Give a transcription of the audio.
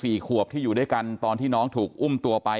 นางนาคะนี่คือยายน้องจีน่าคุณยายถ้าแท้เลย